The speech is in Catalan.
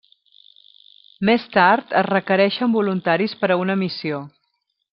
Més tard es requereixen voluntaris per a una missió.